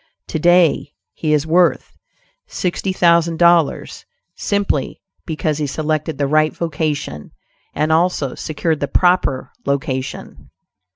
To day he is worth sixty thousand dollars, simply because he selected the right vocation and also secured the proper location.